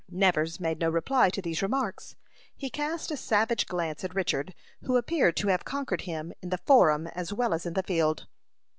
Nevers made no reply to these remarks. He cast a savage glance at Richard, who appeared to have conquered him in the forum as well as in the field.